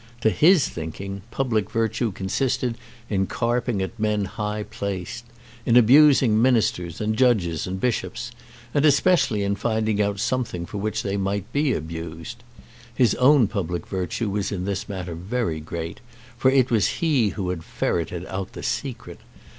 To his thinking, public virtue consisted in carping at men high placed, in abusing ministers and judges and bishops and especially in finding out something for which they might be abused. His own public virtue was in this matter very great, for it was he who had ferreted out the secret.